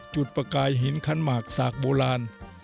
จุดประกายหินขั้นหมากศาสตร์โบราณ